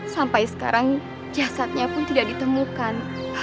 sampai sekarang jasadnya pun tidak ditemukan